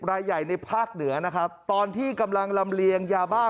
รายใหญ่ในภาคเหนือนะครับตอนที่กำลังลำเลียงยาบ้า